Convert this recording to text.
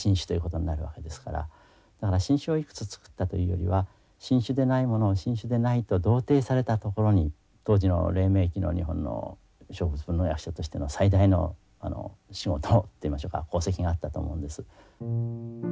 新種をいくつ作ったというよりは新種でないものを新種でないと同定されたところに当時の黎明期の日本の植物学者としての最大の仕事といいましょうか功績があったと思うんです。